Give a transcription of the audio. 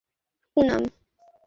ওকে, Prem, Poonam.